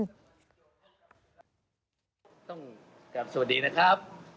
สวัสดีนะครับ